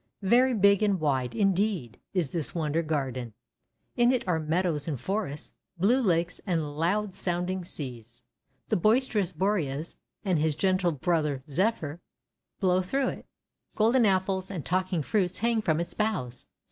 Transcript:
Very big and wide, indeed, is this Wonder Garden. In it are meadows and forests, blue lakes and loud sounding seas. The boisterous Boreas and his gentle brother Zephyr blow through it. Golden Apples and talking fruits hang from its boughs.